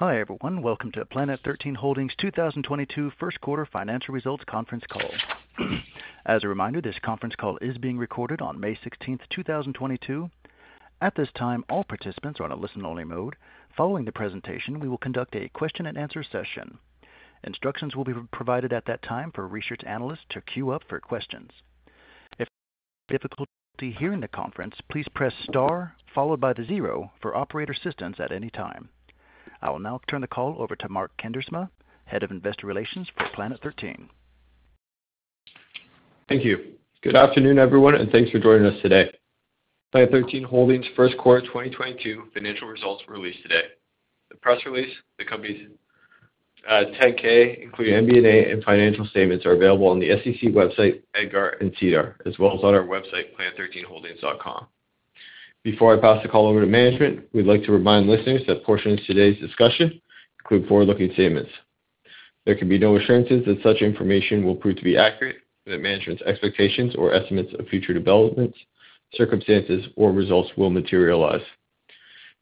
Hi, everyone. Welcome to Planet 13 Holdings 2022 First Quarter Financial Results conference call. As a reminder, this conference call is being recorded on May 16th, 2022. At this time, all participants are on a listen only mode. Following the presentation, we will conduct a question and answer session. Instructions will be provided at that time for research analysts to queue up for questions. If you have difficulty hearing the conference, please press star followed by the zero for operator assistance at any time. I will now turn the call over to Mark Kuindersma, Head of Investor Relations for Planet 13. Thank you. Good afternoon everyone, and thanks for joining us today. Planet 13 Holdings First Quarter 2022 Financial Results were released today. The press release, the company's 10-K, including MD&A and financial statements, are available on the SEC website, EDGAR, and SEDAR, as well as on our website, planet13holdings.com. Before I pass the call over to management, we'd like to remind listeners that portions of today's discussion include forward-looking statements. There can be no assurances that such information will prove to be accurate, that management's expectations or estimates of future developments, circumstances or results will materialize.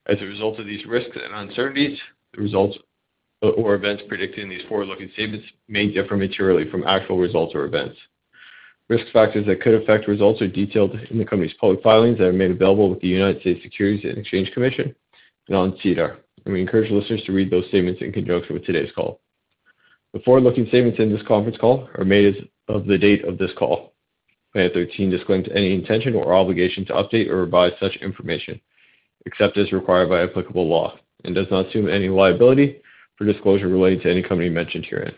As a result of these risks and uncertainties, the results or events predicting these forward-looking statements may differ materially from actual results or events. Risk factors that could affect results are detailed in the company's public filings that are made available with the United States Securities and Exchange Commission and on SEDAR, and we encourage listeners to read those statements in conjunction with today's call. The forward-looking statements in this conference call are made as of the date of this call. Planet 13 disclaims any intention or obligation to update or revise such information, except as required by applicable law, and does not assume any liability for disclosure relating to any company mentioned herein.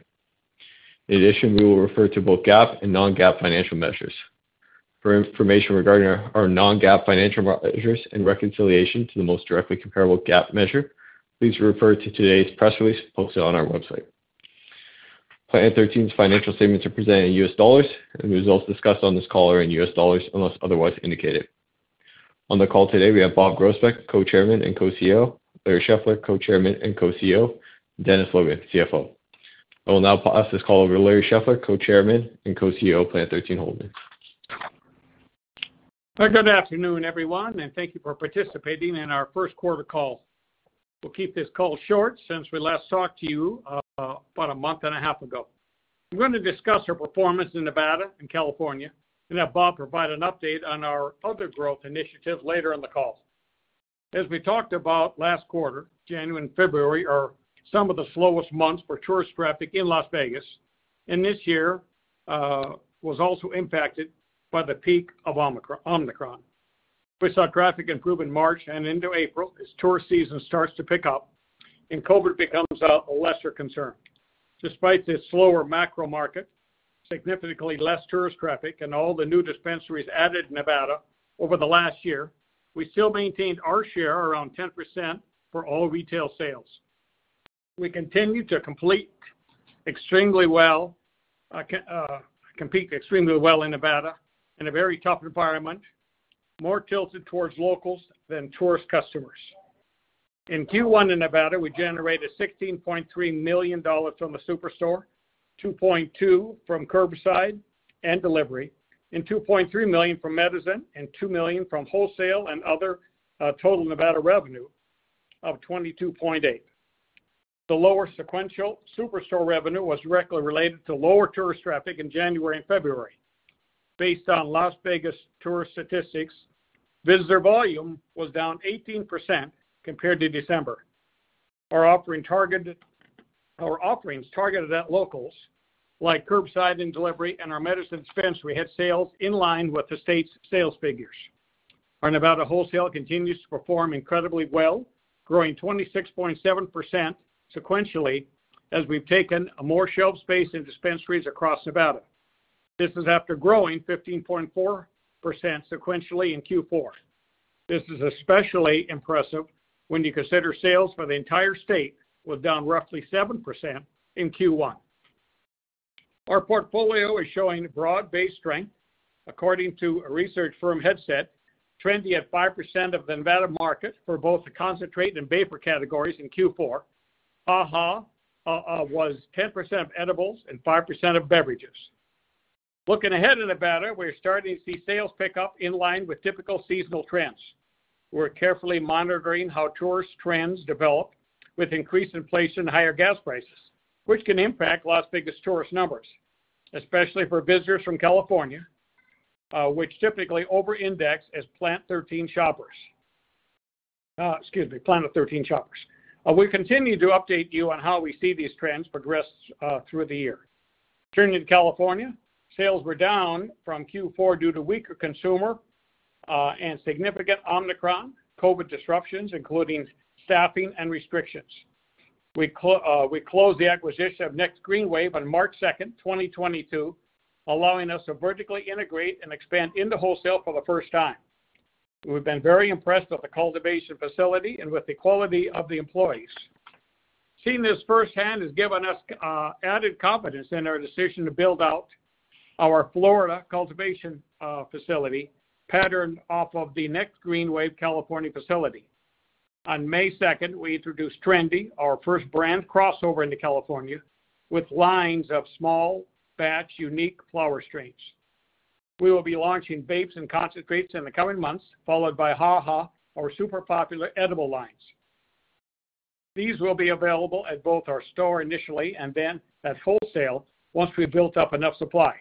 In addition, we will refer to both GAAP and non-GAAP financial measures. For information regarding our non-GAAP financial measures and reconciliation to the most directly comparable GAAP measure, please refer to today's press release posted on our website. Planet 13's financial statements are presented in U.S. dollars, and the results discussed on this call are in U.S. dollars unless otherwise indicated. On the call today, we have Bob Groesbeck, Co-Chairman and Co-CEO, Larry Scheffler, Co-Chairman and Co-CEO, Dennis Logan, CFO. I will now pass this call over to Larry Scheffler, Co-Chairman and Co-CEO of Planet 13 Holdings. Good afternoon, everyone, and thank you for participating in our first quarter call. We'll keep this call short since we last talked to you about a month and a half ago. We're going to discuss our performance in Nevada and California and have Bob provide an update on our other growth initiatives later in the call. As we talked about last quarter, January and February are some of the slowest months for tourist traffic in Las Vegas, and this year was also impacted by the peak of Omicron. We saw traffic improve in March and into April as tourist season starts to pick up and COVID becomes a lesser concern. Despite this slower macro market, significantly less tourist traffic and all the new dispensaries added in Nevada over the last year, we still maintained our share around 10% for all retail sales. We continue to compete extremely well in Nevada in a very tough environment, more tilted towards locals than tourist customers. In Q1 in Nevada, we generated $16.3 million from the SuperStore, $2.2 million from curbside and delivery, and $2.3 million from Medizin, and $2 million from wholesale and other, total Nevada revenue of $22.8 million. The lower sequential SuperStore revenue was directly related to lower tourist traffic in January and February. Based on Las Vegas tourist statistics, visitor volume was down 18% compared to December. Our offerings targeted at locals, like curbside and delivery and our Medizin dispensary, had sales in line with the state's sales figures. Our Nevada wholesale continues to perform incredibly well, growing 26.7% sequentially as we've taken more shelf space in dispensaries across Nevada. This is after growing 15.4% sequentially in Q4. This is especially impressive when you consider sales for the entire state was down roughly 7% in Q1. Our portfolio is showing broad-based strength. According to a research firm, Headset, Trendi at 5% of the Nevada market for both the concentrate and vapor categories in Q4. HaHa was 10% of edibles and 5% of beverages. Looking ahead in Nevada, we're starting to see sales pick up in line with typical seasonal trends. We're carefully monitoring how tourist trends develop with increased inflation and higher gas prices, which can impact Las Vegas tourist numbers, especially for visitors from California, which typically over-index as Planet 13 shoppers. We continue to update you on how we see these trends progress through the year. Turning to California, sales were down from Q4 due to weaker consumer and significant Omicron COVID disruptions, including staffing and restrictions. We closed the acquisition of Next Green Wave on March 2nd, 2022, allowing us to vertically integrate and expand into wholesale for the first time. We've been very impressed with the cultivation facility and with the quality of the employees. Seeing this firsthand has given us added confidence in our decision to build out our Florida cultivation facility patterned off of the Next Green Wave California facility. On May second, we introduced Trendi, our first brand crossover into California, with lines of small batch, unique flower strains. We will be launching vapes and concentrates in the coming months, followed by HaHa, our super popular edible lines. These will be available at both our store initially, and then at wholesale once we've built up enough supply.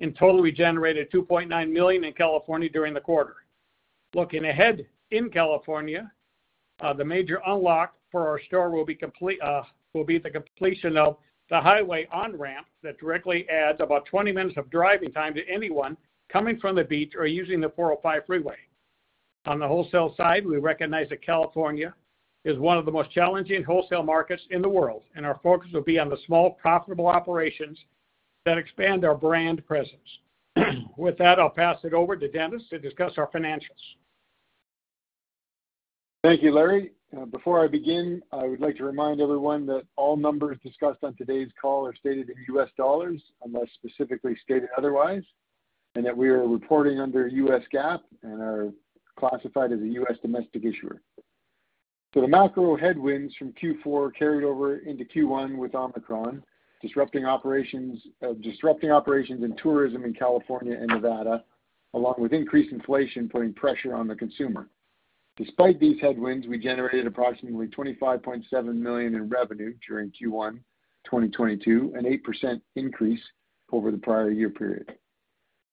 In total, we generated $2.9 million in California during the quarter. Looking ahead in California, the major unlock for our store will be the completion of the highway on-ramp that directly adds about 20 minutes of driving time to anyone coming from the beach or using the 405 freeway. On the wholesale side, we recognize that California is one of the most challenging wholesale markets in the world, and our focus will be on the small, profitable operations that expand our brand presence. With that, I'll pass it over to Dennis to discuss our financials. Thank you, Larry. Before I begin, I would like to remind everyone that all numbers discussed on today's call are stated in U.S. dollars, unless specifically stated otherwise, and that we are reporting under U.S. GAAP and are classified as a U.S. domestic issuer. The macro headwinds from Q4 carried over into Q1 with Omicron, disrupting operations and tourism in California and Nevada, along with increased inflation putting pressure on the consumer. Despite these headwinds, we generated approximately $25.7 million in revenue during Q1 2022, an 8% increase over the prior year period.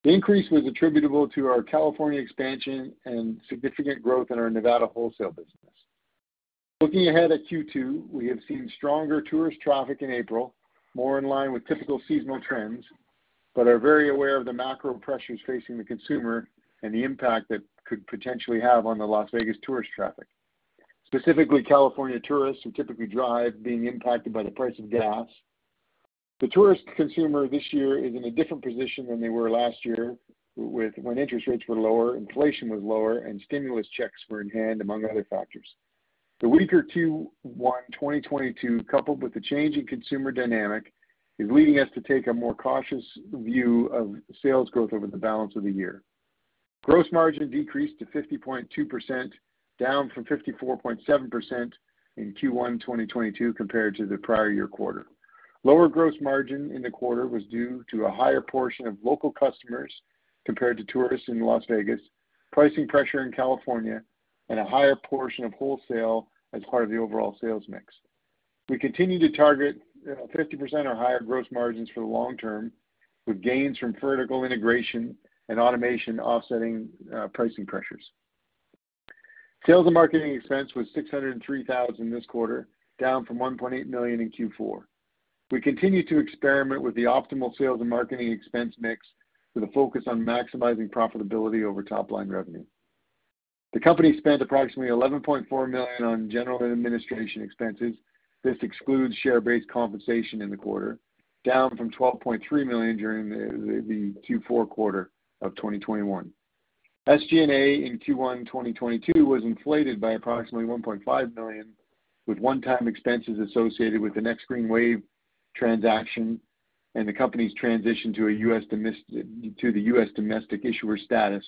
The increase was attributable to our California expansion and significant growth in our Nevada wholesale business. Looking ahead at Q2, we have seen stronger tourist traffic in April, more in line with typical seasonal trends, but are very aware of the macro pressures facing the consumer and the impact that could potentially have on the Las Vegas tourist traffic. Specifically, California tourists who typically drive being impacted by the price of gas. The tourist consumer this year is in a different position than they were last year when interest rates were lower, inflation was lower, and stimulus checks were in hand, among other factors. The weaker Q1 2022, coupled with the change in consumer dynamic, is leading us to take a more cautious view of sales growth over the balance of the year. Gross margin decreased to 50.2%, down from 54.7% in Q1 2022 compared to the prior year quarter. Lower gross margin in the quarter was due to a higher portion of local customers compared to tourists in Las Vegas, pricing pressure in California, and a higher portion of wholesale as part of the overall sales mix. We continue to target 50% or higher gross margins for the long term, with gains from vertical integration and automation offsetting pricing pressures. Sales and marketing expense was $603,000 this quarter, down from $1.8 million in Q4. We continue to experiment with the optimal sales and marketing expense mix with a focus on maximizing profitability over top-line revenue. The company spent approximately $11.4 million on general and administration expenses. This excludes share-based compensation in the quarter, down from $12.3 million during the Q4 quarter of 2021. SG&A in Q1 2022 was inflated by approximately $1.5 million, with one-time expenses associated with the Next Green Wave transaction and the company's transition to the U.S. domestic issuer status,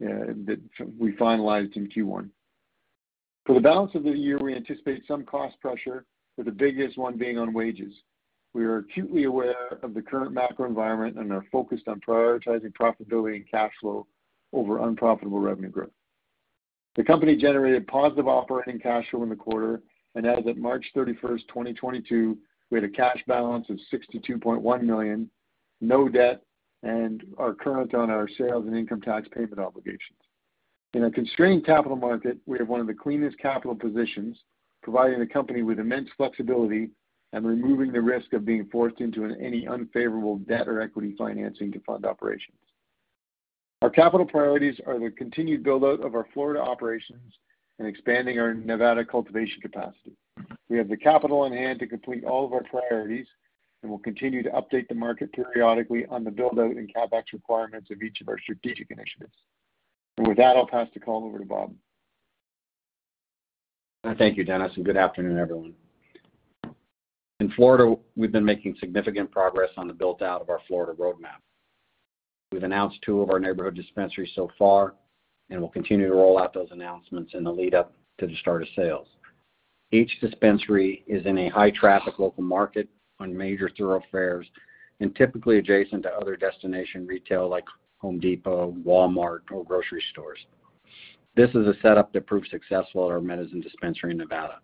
that we finalized in Q1. For the balance of the year, we anticipate some cost pressure, with the biggest one being on wages. We are acutely aware of the current macro environment and are focused on prioritizing profitability and cash flow over unprofitable revenue growth. The company generated positive operating cash flow in the quarter, and as of March 31st, 2022, we had a cash balance of $62.1 million, no debt, and are current on our sales and income tax payment obligations. In a constrained capital market, we have one of the cleanest capital positions, providing the company with immense flexibility and removing the risk of being forced into any unfavorable debt or equity financing to fund operations. Our capital priorities are the continued build-out of our Florida operations and expanding our Nevada cultivation capacity. We have the capital on hand to complete all of our priorities, and we'll continue to update the market periodically on the build-out and CapEx requirements of each of our strategic initiatives. With that, I'll pass the call over to Bob. Thank you, Dennis, and good afternoon, everyone. In Florida, we've been making significant progress on the build-out of our Florida roadmap. We've announced two of our neighborhood dispensaries so far, and we'll continue to roll out those announcements in the lead-up to the start of sales. Each dispensary is in a high-traffic local market on major thoroughfares and typically adjacent to other destination retail like Home Depot, Walmart, or grocery stores. This is a setup that proved successful at our Medizin dispensary in Nevada,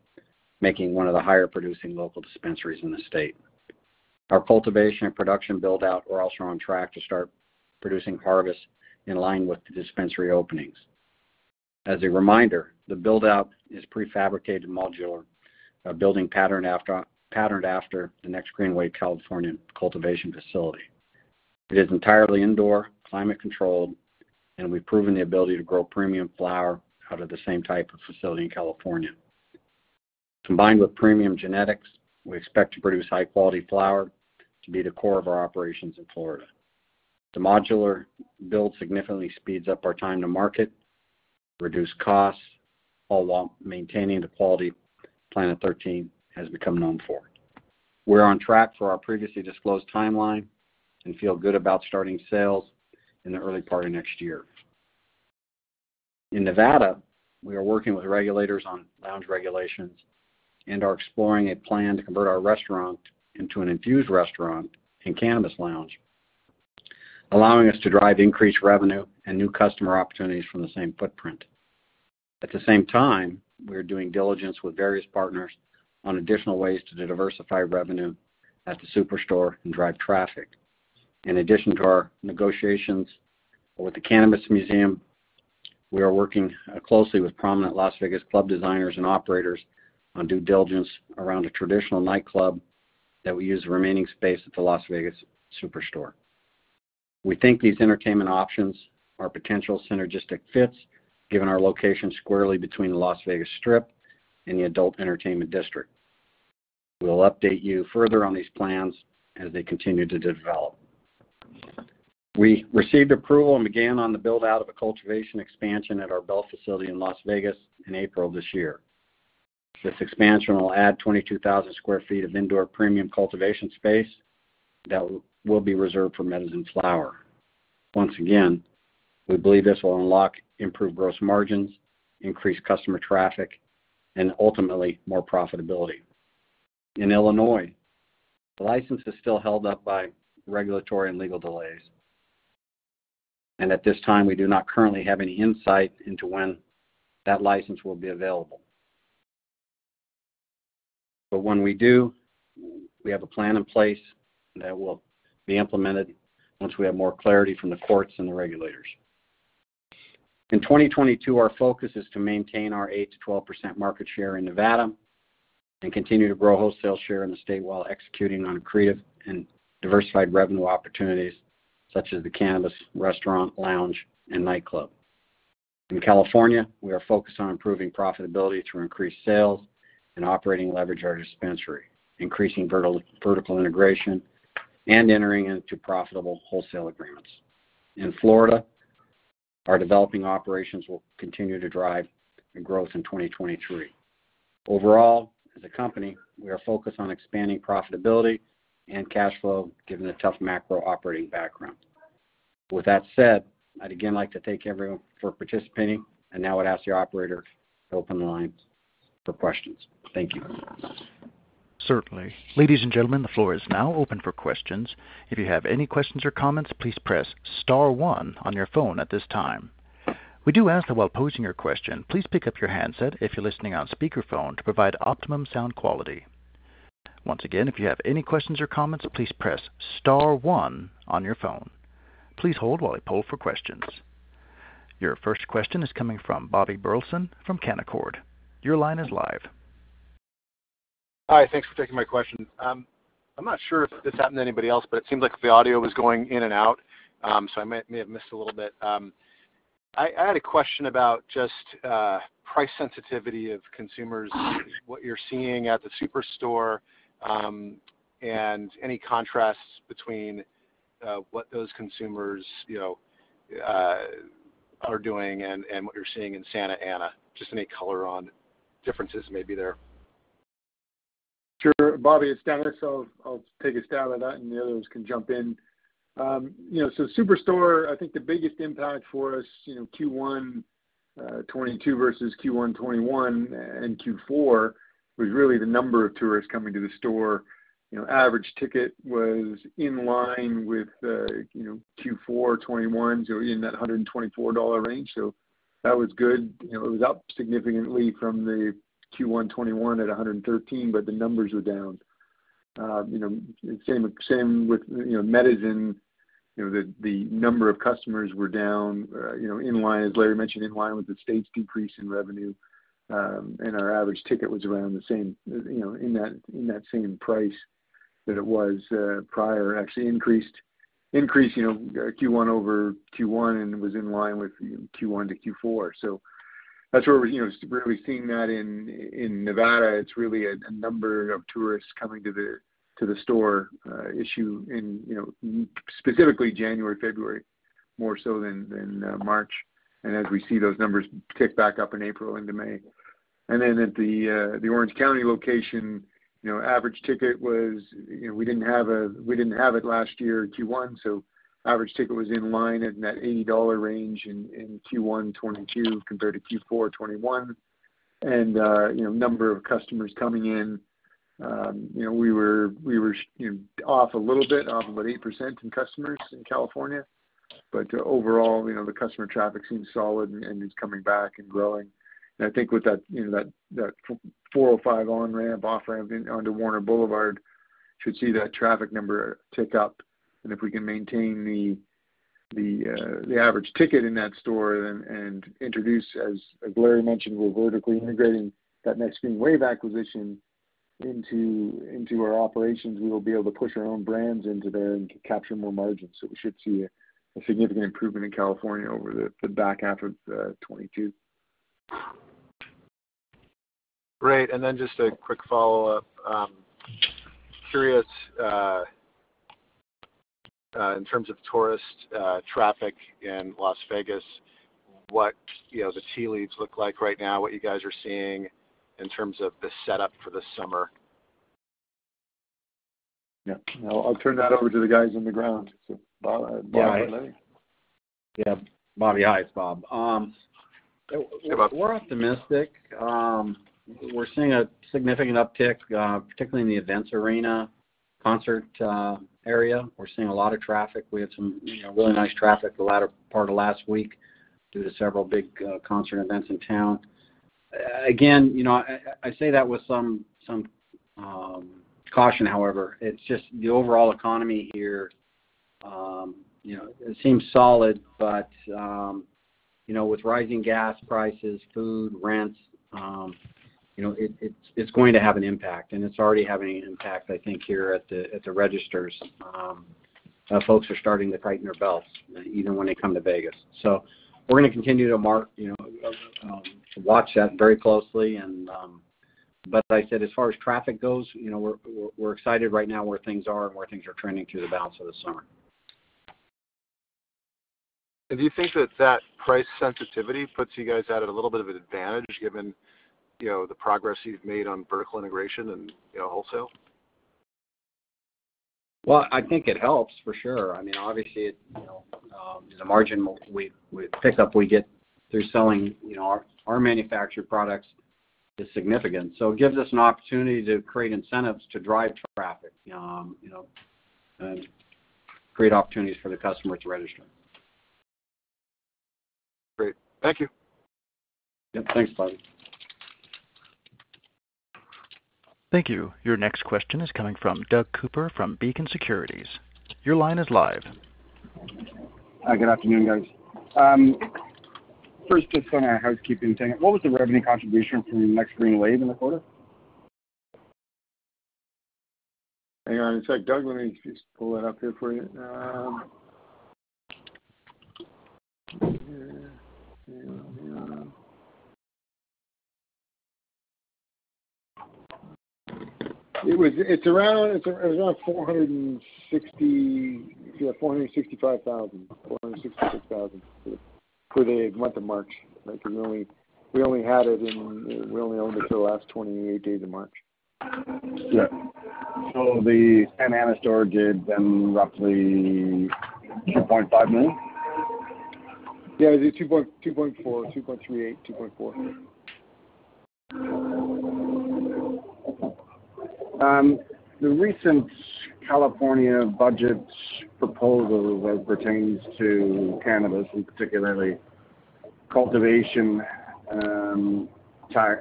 making one of the higher-producing local dispensaries in the state. Our cultivation and production build-out are also on track to start producing harvests in line with the dispensary openings. As a reminder, the build-out is prefabricated modular building patterned after the Next Green Wave California cultivation facility. It is entirely indoor, climate-controlled, and we've proven the ability to grow premium flower out of the same type of facility in California. Combined with premium genetics, we expect to produce high-quality flower to be the core of our operations in Florida. The modular build significantly speeds up our time to market, reduce costs, all while maintaining the quality Planet 13 has become known for. We're on track for our previously disclosed timeline and feel good about starting sales in the early part of next year. In Nevada, we are working with regulators on lounge regulations and are exploring a plan to convert our restaurant into an infused restaurant and cannabis lounge, allowing us to drive increased revenue and new customer opportunities from the same footprint. At the same time, we are doing diligence with various partners on additional ways to diversify revenue at the SuperStore and drive traffic. In addition to our negotiations with the cannabis museum, we are working closely with prominent Las Vegas club designers and operators on due diligence around a traditional nightclub that we use the remaining space at the Las Vegas SuperStore. We think these entertainment options are potential synergistic fits given our location squarely between the Las Vegas Strip and the adult entertainment district. We'll update you further on these plans as they continue to develop. We received approval and began on the build-out of a cultivation expansion at our Bell facility in Las Vegas in April this year. This expansion will add 22,000 sq ft of indoor premium cultivation space that will be reserved for Medizin flower. Once again, we believe this will unlock improved gross margins, increase customer traffic, and ultimately, more profitability. In Illinois, the license is still held up by regulatory and legal delays. At this time, we do not currently have any insight into when that license will be available. When we do, we have a plan in place that will be implemented once we have more clarity from the courts and the regulators. In 2022, our focus is to maintain our 8%-12% market share in Nevada and continue to grow wholesale share in the state while executing on creative and diversified revenue opportunities such as the cannabis restaurant, lounge, and nightclub. In California, we are focused on improving profitability through increased sales and operating leverage our dispensary, increasing vertical integration, and entering into profitable wholesale agreements. In Florida, our developing operations will continue to drive growth in 2023. Overall, as a company, we are focused on expanding profitability and cash flow given the tough macro operating background. With that said, I'd again like to thank everyone for participating, and now I'd ask the operator to open the line for questions. Thank you. Certainly. Ladies and gentlemen, the floor is now open for questions. If you have any questions or comments, please press star one on your phone at this time. We do ask that while posing your question, please pick up your handset if you're listening on speakerphone to provide optimum sound quality. Once again, if you have any questions or comments, please press star one on your phone. Please hold while we poll for questions. Your first question is coming from Bobby Burleson from Canaccord Genuity. Your line is live. Hi. Thanks for taking my question. I'm not sure if this happened to anybody else, but it seemed like the audio was going in and out, so I might have missed a little bit. I had a question about just price sensitivity of consumers, what you're seeing at the SuperStore, and any contrasts between what those consumers, you know, are doing and what you're seeing in Santa Ana. Just any color on differences maybe there. Sure, Bobby, it's Dennis. I'll take a stab at that, and the others can jump in. You know, SuperStore, I think the biggest impact for us, you know, Q1 2022 versus Q1 2021 and Q4 2021 was really the number of tourists coming to the store. You know, average ticket was in line with, you know, Q4 2021, so in that $124 range. That was good. You know, it was up significantly from the Q1 2021 at $113, but the numbers were down. You know, same with, you know, Medizin. You know, the number of customers were down, you know, in line, as Larry mentioned, in line with the state's decrease in revenue. Our average ticket was around the same, you know, in that, in that same price that it was prior, actually increased, you know, Q1 over Q1 and was in line with Q1 to Q4. That's where we're, you know, really seeing that in Nevada. It's really a number of tourists coming to the, to the store is in, you know, specifically January, February, more so than March. As we see those numbers tick back up in April into May. At the Orange County location, you know, average ticket was, you know, we didn't have it last year Q1, so average ticket was in line at that $80 range in Q1 2022 compared to Q4 2021. You know, number of customers coming in, you know, we were off a little bit, off about 8% in customers in California, but overall, you know, the customer traffic seems solid and it's coming back and growing. I think with that, you know, that four or five on-ramp, off-ramp on to Warner Avenue should see that traffic number tick up. If we can maintain the average ticket in that store and introduce, as Larry mentioned, we're vertically integrating that Next Green Wave acquisition into our operations, we will be able to push our own brands into there and capture more margins. We should see a significant improvement in California over the back half of 2022. Great. Just a quick follow-up. Curious, in terms of tourist traffic in Las Vegas, what the tea leaves look like right now, what you guys are seeing in terms of the setup for the summer? I'll turn that over to the guys on the ground. Bob, Bobby Burleson. Yeah. Bobby. Hi, it's Bob. Yeah, Bob. We're optimistic. We're seeing a significant uptick, particularly in the events arena, concert area. We're seeing a lot of traffic. We had some, you know, really nice traffic the latter part of last week due to several big concert events in town. Again, you know, I say that with some caution, however. It's just the overall economy here, you know, it seems solid, but, you know, with rising gas prices, food, rents, you know, it's going to have an impact, and it's already having an impact, I think, here at the registers. Folks are starting to tighten their belts even when they come to Vegas. We're gonna continue to watch that very closely and... As I said, as far as traffic goes, you know, we're excited right now where things are and where things are trending through the balance of the summer. Do you think that price sensitivity puts you guys at a little bit of an advantage given, you know, the progress you've made on vertical integration and, you know, wholesale? Well, I think it helps for sure. I mean, obviously, you know, the margin we pick up we get through selling, you know, our manufactured products is significant. It gives us an opportunity to create incentives to drive traffic, you know, and create opportunities for the customer to register. Great. Thank you. Yep. Thanks, Bobby. Thank you. Your next question is coming from Doug Cooper from Beacon Securities. Your line is live. Good afternoon, guys. First, just on a housekeeping thing, what was the revenue contribution from Next Green Wave in the quarter? Hang on a sec, Doug. Let me just pull that up here for you. Hang on. It's around $465,000, $466,000 for the month of March, right? We only owned it for the last 28 days of March. Yeah. The Santa Ana store did then roughly $2.5 million? Yeah, it did $2.4, $2.38, $2.4. The recent California budget proposal as pertains to cannabis and particularly cultivation tax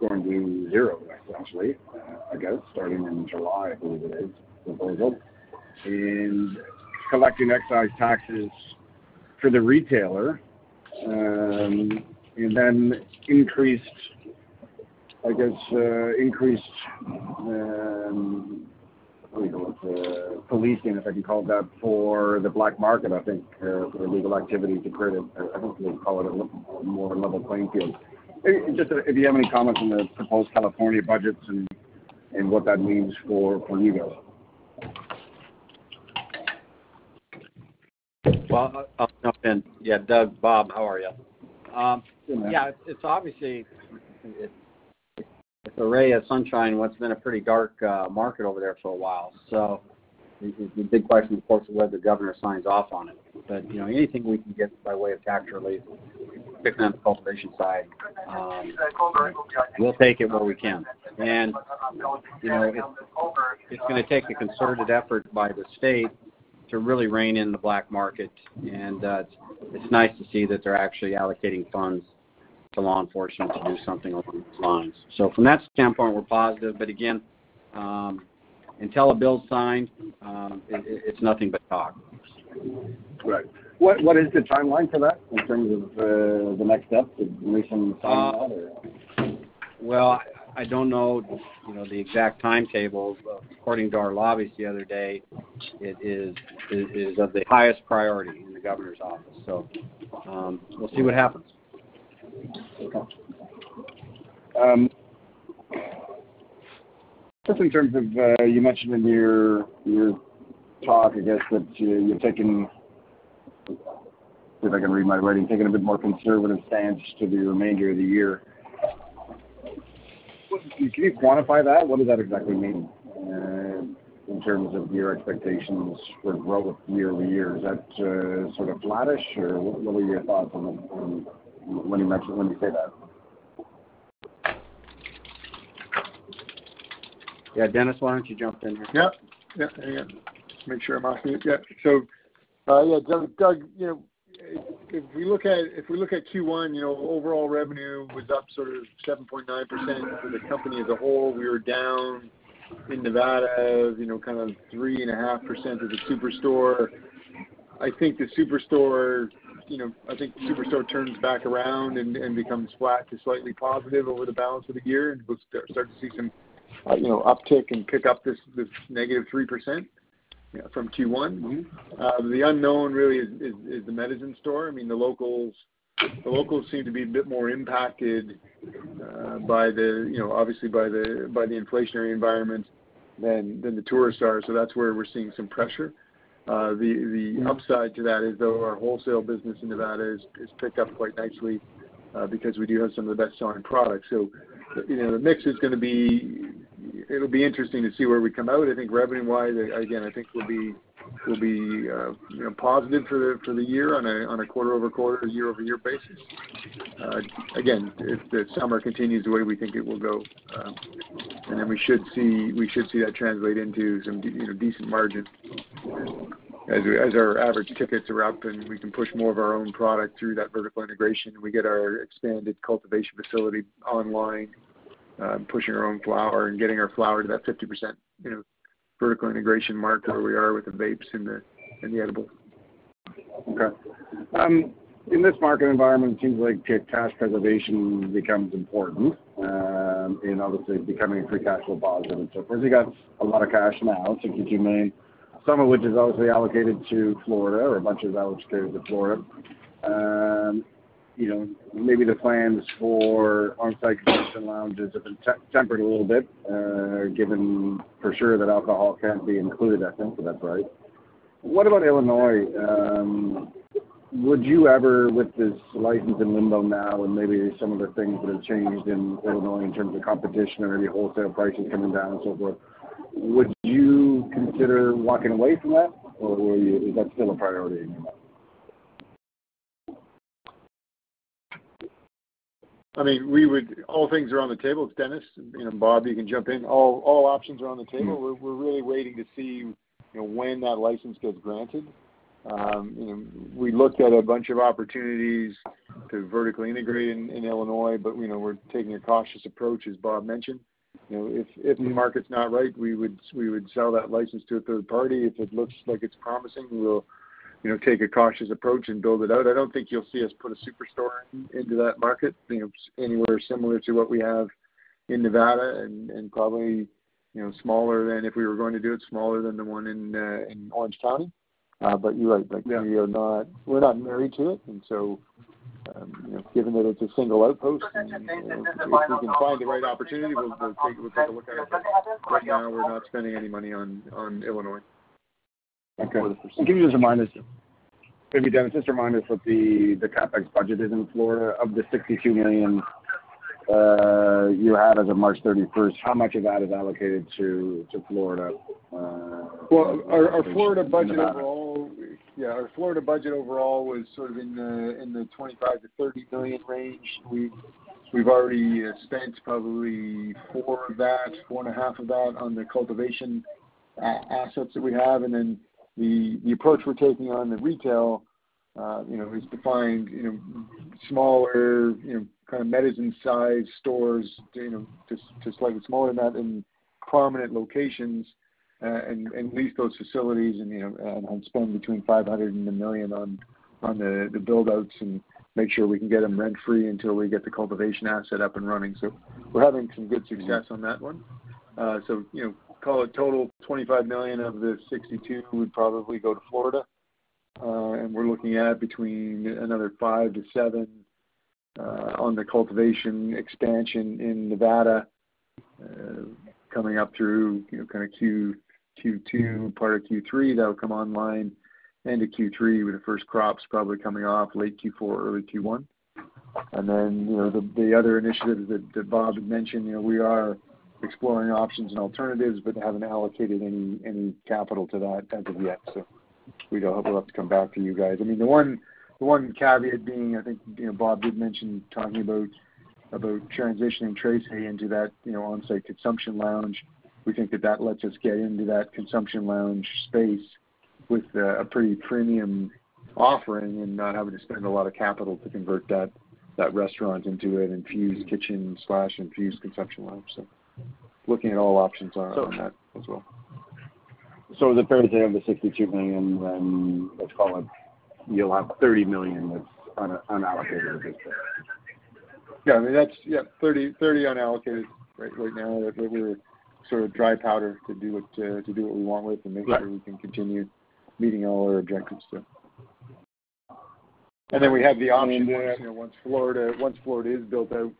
going to zero essentially, I guess starting in July, I believe it is, the proposal. Collecting excise taxes for the retailer, and then increased, I guess, policing, if I can call it that, for the black market, I think, for the legal activity to create a, I think they call it a more level playing field. Just if you have any comments on the proposed California budgets and what that means for you guys. Well, I'll jump in. Yeah, Doug, Bob, how are you? Good, man. Yeah, it's obviously a ray of sunshine in what's been a pretty dark market over there for a while. The big question, of course, is whether the governor signs off on it. You know, anything we can get by way of tax relief, particularly on the cultivation side, we'll take it where we can. You know, it's gonna take a concerted effort by the state to really rein in the black market, and it's nice to see that they're actually allocating funds to law enforcement to do something along those lines. From that standpoint, we're positive. Again, until a bill's signed, it's nothing but talk. Right. What is the timeline for that in terms of, the next steps to release some- Uh- -or? Well, I don't know, you know, the exact timetables. According to our lobbyists the other day, it is of the highest priority in the governor's office. We'll see what happens. Okay. Just in terms of, you mentioned in your talk, I guess, that you're taking, if I can read my writing, a bit more conservative stance through the remainder of the year. Well, can you quantify that? What does that exactly mean in terms of your expectations for growth year-over-year? Is that sort of flattish or what? What were your thoughts on when you say that? Yeah, Dennis, why don't you jump in here? Yeah. Hang on. Make sure I'm off mute. Yeah. Doug, you know, if we look at Q1, you know, overall revenue was up sort of 7.9% for the company as a whole. We were down in Nevada, you know, kind of 3.5% at the SuperStore. I think the SuperStore, you know, turns back around and becomes flat to slightly positive over the balance of the year, and we'll start to see some, you know, uptick and pick up this -3%, you know, from Q1. Mm-hmm. The unknown really is the Medizin store. I mean, the locals seem to be a bit more impacted by the you know obviously by the inflationary environment than the tourists are. That's where we're seeing some pressure. The upside to that is though our wholesale business in Nevada has picked up quite nicely because we do have some of the best selling products. You know, the mix is gonna be. It'll be interesting to see where we come out. I think revenue-wise, again, I think we'll be you know positive for the year on a quarter-over-quarter, year-over-year basis. Again, if the summer continues the way we think it will go, and then we should see that translate into some decent margin as our average tickets are up and we can push more of our own product through that vertical integration and we get our expanded cultivation facility online, pushing our own flower and getting our flower to that 50% vertical integration mark where we are with the vapes and the edibles. Okay. In this market environment, it seems like cash preservation becomes important, in obviously becoming free cash flow positive and so forth. You got a lot of cash now, $62 million, some of which is obviously allocated to Florida or a bunch of it's allocated to Florida. You know, maybe the plans for on-site consumption lounges have been tempered a little bit, given for sure that alcohol can't be included, I think. Is that right? What about Illinois? Would you ever, with this license in limbo now and maybe some of the things that have changed in Illinois in terms of competition or any wholesale prices coming down and so forth, would you consider walking away from that? Is that still a priority anymore? I mean, all things are on the table. Dennis, you know, and Bob, you can jump in. All options are on the table. We're really waiting to see, you know, when that license gets granted. You know, we looked at a bunch of opportunities to vertically integrate in Illinois, but, you know, we're taking a cautious approach, as Bob mentioned. You know, if the market's not right, we would sell that license to a third party. If it looks like it's promising, we will, you know, take a cautious approach and build it out. I don't think you'll see us put a SuperStore into that market, you know, anywhere similar to what we have in Nevada and probably, you know, smaller than if we were going to do it smaller than the one in Orange County. You're right, like we're not married to it. You know, given that it's a single outpost, if we can find the right opportunity, we'll take a look at it. Right now we're not spending any money on Illinois. Okay. Can you just remind us, maybe Dennis, just remind us what the CapEx budget is in Florida. Of the $62 million you had as of March 31st, how much of that is allocated to Florida? Well, our Florida budget overall. In Nevada? Yeah. Our Florida budget overall was sort of in the $25-$30 million range. We've already spent probably $4 million of that, $4.5 million of that on the cultivation assets that we have. The approach we're taking on the retail is to find smaller kind of Medizin size stores just slightly smaller than that in prominent locations and lease those facilities and spend between $500,000 and $1 million on the build-outs and make sure we can get them rent-free until we get the cultivation asset up and running. We're having some good success on that one. You know, call it total $25 million of the $62 million would probably go to Florida. We're looking at between another five to seven on the cultivation expansion in Nevada, coming up through, you know, kind of Q2, part of Q3, that would come online into Q3 with the first crops probably coming off late Q4, early Q1. Then, you know, the other initiatives that Bob had mentioned, you know, we are exploring options and alternatives, but haven't allocated any capital to that as of yet. We'd hope we'll have to come back to you guys. I mean, the one caveat being, I think, you know, Bob did mention talking about transitioning Trece into that, you know, on-site consumption lounge. We think that lets us get into that consumption lounge space with a pretty premium offering and not having to spend a lot of capital to convert that restaurant into an infused kitchen/infused consumption lounge. Looking at all options on that as well. The $30 million of the $62 million, then let's call it you'll have $30 million that's unallocated at this point. Yeah, I mean, that's $30 million unallocated right now that we would sort of dry powder to do what we want with. Right. make sure we can continue meeting all our objectives there. We have the option once, you know, once Florida is built out,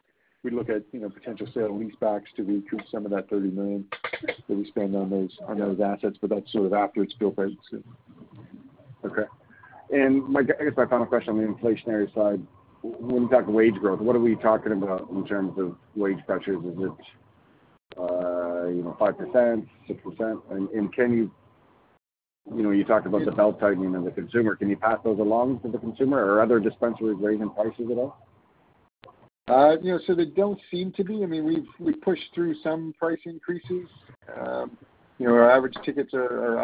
we'd look at, you know, potential sale and lease backs to recoup some of that $30 million that we spend on those assets. That's sort of after it's built out, so. Okay. My, I guess, my final question on the inflationary side, when we talk wage growth, what are we talking about in terms of wage pressures? Is it, you know, 5%, 6%? Can you know, you talked about the belt-tightening of the consumer. Can you pass those along to the consumer? Are other dispensaries raising prices at all? You know, they don't seem to be. I mean, we've pushed through some price increases. You know, our average tickets are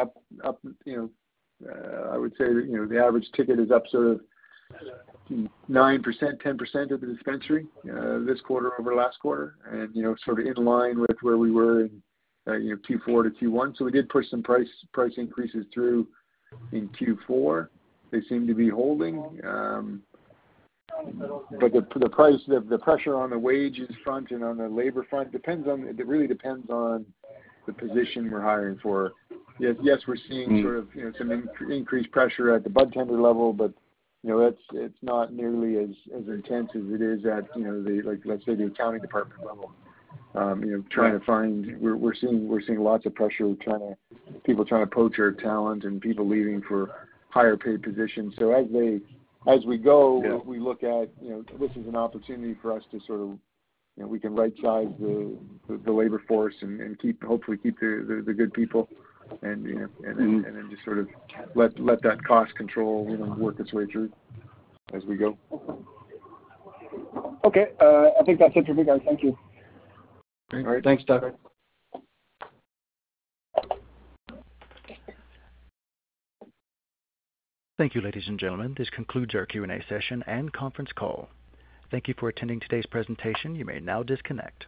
up, you know. I would say, you know, the average ticket is up sort of 9%-10% at the dispensary, this quarter over last quarter. You know, sort of in line with where we were in, you know, Q4 to Q1. We did push some price increases through in Q4. They seem to be holding. But the pressure on the wages front and on the labor front depends on the position we're hiring for. It really depends on the position we're hiring for. Yes, we're seeing sort of, you know, some increased pressure at the budtender level, but, you know, it's not nearly as intense as it is at, you know, the like, let's say the accounting department level. You know, we're seeing lots of pressure with people trying to poach our talent and people leaving for higher paid positions. As we go Yeah. We look at, you know, this is an opportunity for us to sort of, you know, we can right size the labor force and keep, hopefully keep the good people and, you know, and then just sort of let that cost control, you know, work its way through as we go. Okay. I think that's it for me, guys. Thank you. All right. Thanks, Doug. Thank you, ladies and gentlemen. This concludes our Q&A session and conference call. Thank you for attending today's presentation. You may now disconnect.